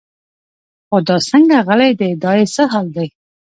خو دا څنګه غلی دی دا یې څه حال دی.